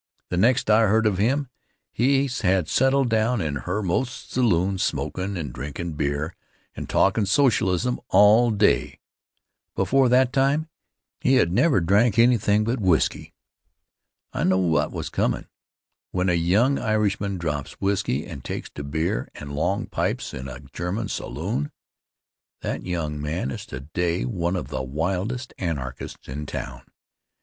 The next I heard of him he had settled down in Herr Most's saloon smokin' and drinkin' beer and talkin' socialism all day. Before that time he had never drank anything but whisky. I knew what was comm' when a young Irishman drops whisky and takes to beer and long pipes in a German saloon. That young man is today one of the wildest Anarchists in town.